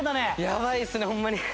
やばいっすねホンマに。